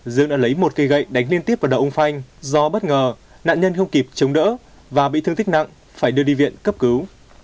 dương đã lấy một cây gậy đánh liên tiếp vào đầu ông phanh do bất ngờ nạn nhân không kịp chống đỡ và bị thương tích nặng phải đưa đi viện cấp cứu